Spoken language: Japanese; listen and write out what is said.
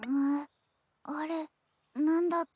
あれ何だっけ